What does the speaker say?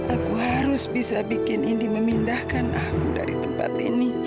aku harus bisa bikin indi memindahkan aku dari tempat ini